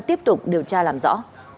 tiếp tục điều tra làm rõ